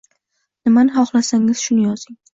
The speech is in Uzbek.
Nimani xoxlasangiz shuni yozing